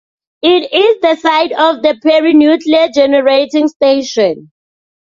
It is the site of the Perry Nuclear Generating Station.